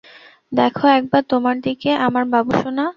দেখো একবার তোমার দিকে, আমার বাবুসোনা।